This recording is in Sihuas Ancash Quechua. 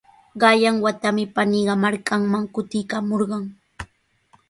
Qanyan watami paniiqa markanman kutikamurqan.